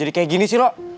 jadi kayak gini sih lo